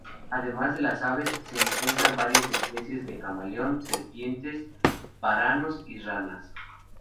Además de las aves, se encuentran varias especies de camaleón, serpientes, varanos y ranas.